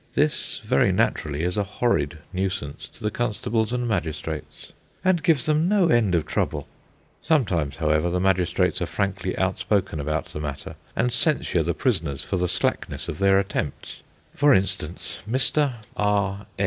This, very naturally, is a horrid nuisance to the constables and magistrates, and gives them no end of trouble. Sometimes, however, the magistrates are frankly outspoken about the matter, and censure the prisoners for the slackness of their attempts. For instance Mr. R.